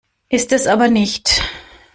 Ist es aber nicht.